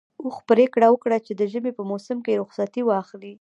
اوښ پرېکړه وکړه چې د ژمي په موسم کې رخصتي واخلي.